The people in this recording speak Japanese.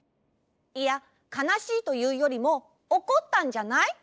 いやかなしいというよりもおこったんじゃない？